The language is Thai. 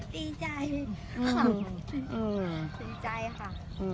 ดีใจค่ะ